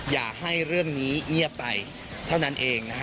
อย่าให้เรื่องนี้เงียบไปเท่านั้นเองนะฮะ